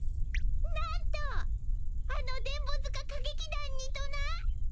なんとあの電ボ塚歌劇団にとな！